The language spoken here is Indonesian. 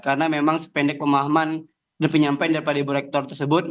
karena memang sependek pemahaman dan penyampaian daripada ibu rektor tersebut